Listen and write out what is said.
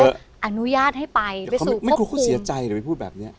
ไปเยอะอนุญาตให้ไปไปสู่ภพภูมิไม่กลัวเขาเสียใจเลยไปพูดแบบเนี้ย